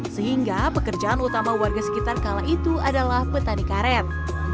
sehingga pekerjaan utama warga sekitar kala itu adalah petani karet